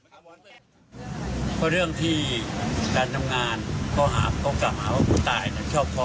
เพราะเรื่องที่การทำงานก็หาว่าผู้ตายจะชอบพร้อม